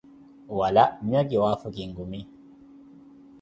Wala, miyo ki waapho, ki nkumi.